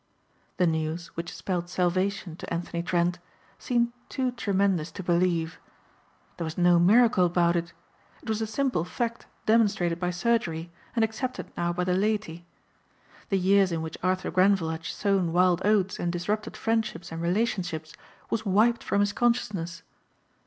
The news which spelled salvation to Anthony Trent seemed too tremendous to believe. There was no miracle about it. It was a simple fact demonstrated by surgery and accepted now by the laity. The years in which Arthur Grenvil had sown wild oats and disrupted friendships and relationships was wiped from his consciousness.